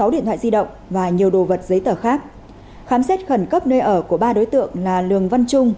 một mươi điện thoại di động và nhiều đồ vật giấy tờ khác khám xét khẩn cấp nơi ở của ba đối tượng là lường văn trung